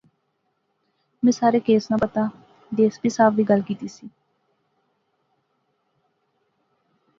میں سارے کیس ناں پتہ۔۔ ڈی ایس پی صاحب وی گل کیتی سی